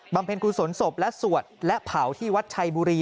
เพ็ญกุศลศพและสวดและเผาที่วัดชัยบุรี